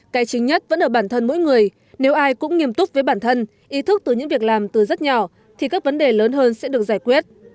cái chính nhất vẫn ở bản thân mỗi người nếu ai cũng nghiêm túc với bản thân ý thức từ những việc làm từ rất nhỏ thì các vấn đề lớn hơn sẽ được giải quyết